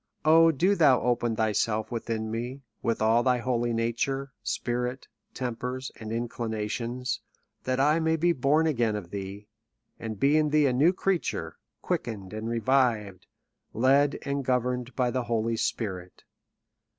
O ! do thou open thyself within me, with all thy holy nature, spirit, tempers, and inclinations, that I may be born again of thee; and be in thee a new creature, quick ened and revived, led and governed by thy Holy Spirit."